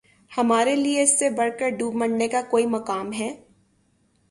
ہمارے لیے اس سے بڑھ کر دوب مرنے کا کوئی مقام ہے